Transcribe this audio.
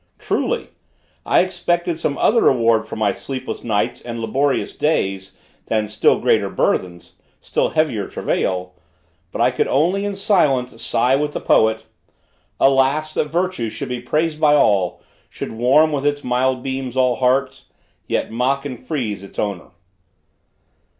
Truly! I expected some other reward for my sleepless nights and laborious days, than still greater burthens, still heavier travail. But I could only in silence sigh with the poet: "Alas! that Virtue should be praised by all, Should warm, with its mild beams, all hearts: Yet mock and freeze its owner."